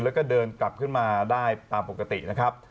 แล้วก็เดินกลับขึ้นมาได้ตามปกตินะครับ